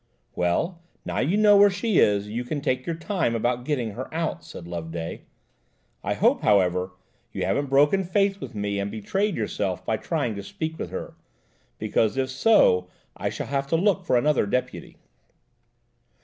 "Well, now you know where she is, you can take your time about getting her out," said Loveday. "I hope, however, you haven't broken faith with me, and betrayed yourself by trying to speak with her, because, if so, I shall have to look out for another deputy."